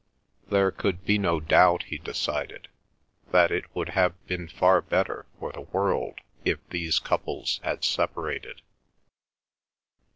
There could be no doubt, he decided, that it would have been far better for the world if these couples had separated.